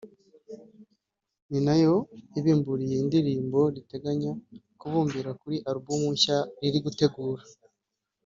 ni nayo ibimburiye indirimbo riteganya kubumbira kuri album nshya riri gutegura